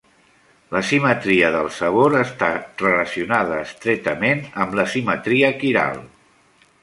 La simetria del sabor està relacionada estretament amb la simetria quiral.